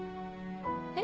えっ？